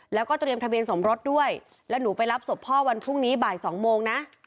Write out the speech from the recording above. แล้วก็เตรียมทะเบียนสมรสด้วยแล้วหนูไปรับศพพ่อวันพรุ่งนี้บ่ายสองโมงนะ